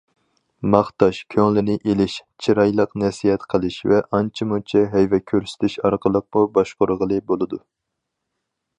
ماختاش، كۆڭلىنى ئېلىش، چىرايلىق نەسىھەت قىلىش ۋە ئانچە- مۇنچە ھەيۋە كۆرسىتىش ئارقىلىقمۇ باشقۇرغىلى بولىدۇ.